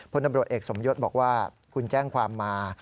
ตำรวจเอกสมยศบอกว่าคุณแจ้งความมา